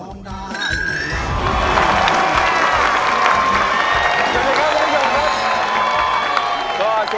สวัสดีครับทุกคนครับ